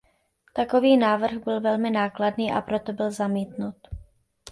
Takový návrh byl velmi nákladný a proto byl zamítnut.